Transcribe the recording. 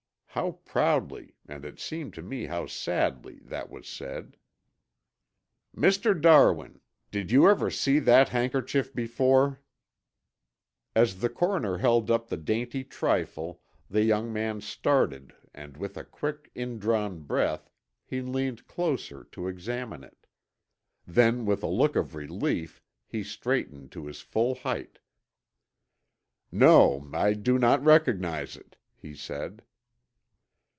How proudly, and it seemed to me how sadly, that was said. "Mr. Darwin, did you ever see that handkerchief before?" As the coroner held up the dainty trifle the young man started and with a quick indrawn breath he leaned closer to examine it. Then with a look of relief he straightened to his full height. "No, I do not recognize it," he said.